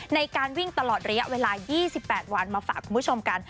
ในการวิ่งตลอดระยะเวลา๒๘วันมาฝากคุณผู้ชมกัน